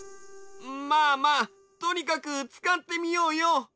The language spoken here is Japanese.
まあまあとにかくつかってみようよ。